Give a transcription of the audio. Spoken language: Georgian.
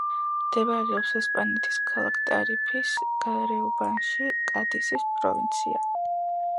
მდებარეობს ესპანეთის ქალაქ ტარიფის გარეუბანში კადისის პროვინცია.